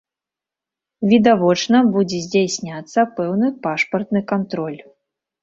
Відавочна будзе здзяйсняцца пэўны пашпартны кантроль.